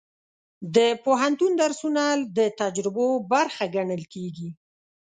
د پوهنتون درسونه د تجربو برخه ګڼل کېږي.